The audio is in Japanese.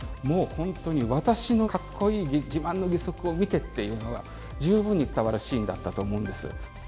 「私のかっこいい自慢の義足を見て！」っていうのが十分に伝わるシーンだったと思うんです。